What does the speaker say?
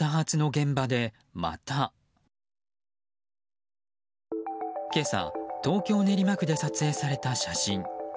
今朝、東京・練馬区で撮影された写真。